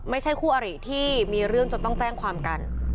ไม่ใช่คู่อริที่มีเรื่องจนต้องแจ้งความกัน